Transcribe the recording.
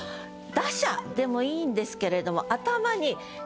「打者」でもいいんですけれども頭に。